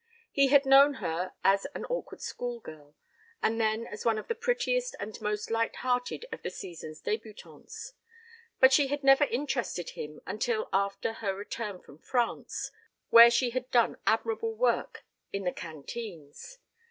He had known her as an awkward schoolgirl and then as one of the prettiest and most light hearted of the season's débutantes, but she had never interested him until after her return from France, where she had done admirable work in the canteens.